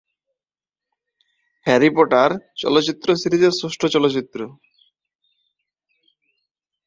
এটি Harry Potter চলচ্চিত্র সিরিজের ষষ্ঠ চলচ্চিত্র।